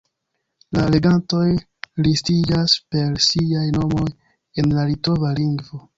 La regantoj listiĝas per siaj nomoj en la litova lingvo.